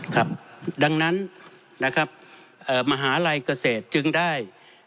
ครับดังนั้นนะครับมหาลัยเกษตรจึงได้